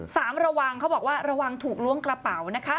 ระวังเขาบอกว่าระวังถูกล้วงกระเป๋านะคะ